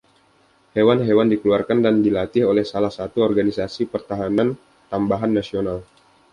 Hewan-hewan dikeluarkan dan dilatih oleh salah satu organisasi pertahanan tambahan nasional.